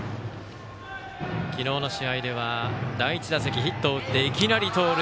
昨日の試合では第１打席ヒットを打っていきなり盗塁。